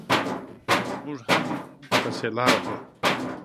زموږ هم پسې لار ده.